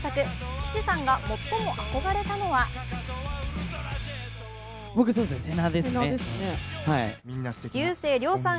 岸さんが最も憧れたのは竜星涼さん